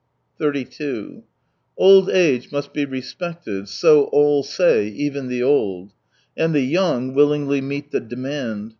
32 Old age must be respected — so all say, even the old. And the young willingly meet the demand.